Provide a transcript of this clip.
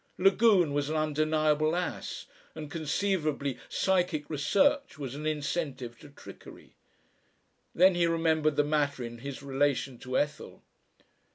Lagune was an undeniable ass, and conceivably psychic research was an incentive to trickery. Then he remembered the matter in his relation to Ethel....